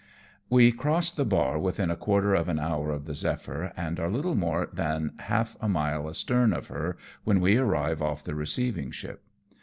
We cross the bar within a quarter of an hour of the Zephyr, and are little more than half a mile astern of her when we arrive off the receiving ship.